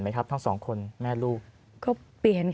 ขอมอบจากท่านรองเลยนะครับขอมอบจากท่านรองเลยนะครับขอมอบจากท่านรองเลยนะครับ